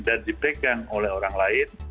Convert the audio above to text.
dan dipegang oleh orang lain